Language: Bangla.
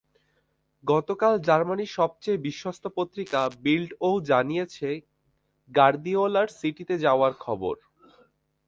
গতকাল জার্মানির সবচেয়ে বিশ্বস্ত পত্রিকা বিল্ডও জানিয়েছে গার্দিওলার সিটিতে যাওয়ার খবর।